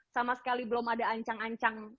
sama sekali belum ada ancang ancang